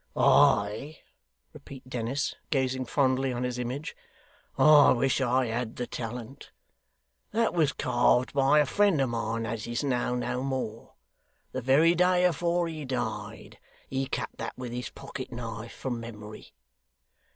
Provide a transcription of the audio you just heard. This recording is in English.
'I!' repeated Dennis, gazing fondly on his image. 'I wish I had the talent. That was carved by a friend of mine, as is now no more. The very day afore he died, he cut that with his pocket knife from memory!